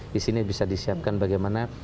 disini bisa disiapkan bagaimana